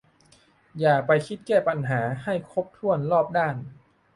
อย่าไปคิดแก้ปัญหาให้ครบถ้วนรอบด้าน